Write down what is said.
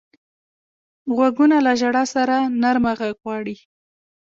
غوږونه له ژړا سره نرمه غږ غواړي